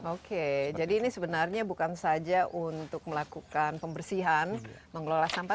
oke jadi ini sebenarnya bukan saja untuk melakukan pembersihan mengelola sampah